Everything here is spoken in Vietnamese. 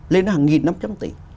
lên hàng nghìn năm trăm tỷ